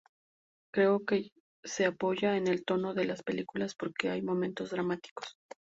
Creo que se apoya en el tono de las películas porque hay momentos dramáticos.